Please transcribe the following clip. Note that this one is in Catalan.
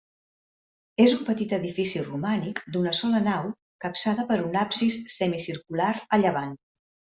És un petit edifici romànic, d'una sola nau capçada per un absis semicircular a llevant.